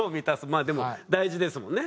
まあでも大事ですもんね。